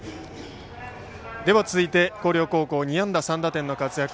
続いて、広陵高校２安打３打点の活躍